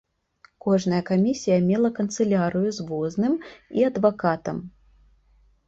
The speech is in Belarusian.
Кожная камісія мела канцылярыю з возным і адвакатам.